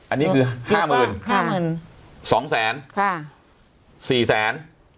อันนี้คือห้าหมื่นห้าหมื่นสองแสนค่ะสี่แสน